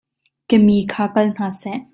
Ka mi kha kal hna seh.